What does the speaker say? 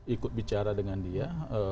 ikut bicara dengan dia